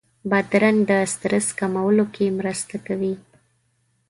بادرنګ د سټرس کمولو کې مرسته کوي.